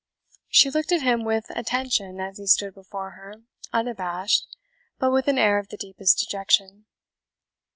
She looked at him with, attention as he stood before her unabashed, but with an air of the deepest dejection.